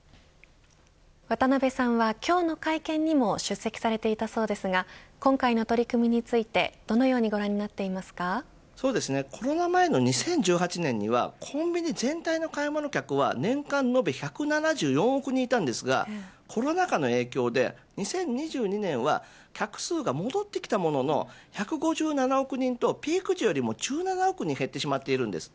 渡辺さんは、今日の会見にも出席されていたそうですが今回の取り組みについてどのようにコロナ前の２０１８年にはコンビニ全体の買い物客は年間延べ１７４億人いたんですがコロナ禍の影響で２０２２年は客数が戻ってきたものの１５７億人とピーク時よりも１７億人減ってしまっています。